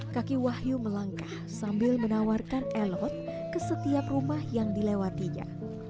kaki wahyu melangkah sambil menawarkan elot ke setiap rumah yang dilewatinya